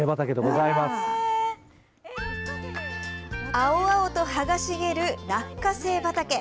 青々と葉が茂る落花生畑。